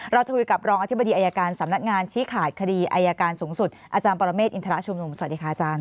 เราจะคุยกับรองอธิบดีอายการสำนักงานชี้ขาดคดีอายการสูงสุดอาจารย์ปรเมฆอินทรชุมนุมสวัสดีค่ะอาจารย์